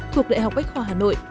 thuộc đại học bách khoa hà nội